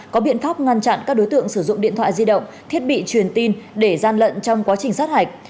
có biện pháp ngăn chặn các đối tượng sử dụng điện thoại di động thiết bị truyền tin để gian lận trong quá trình sát hạch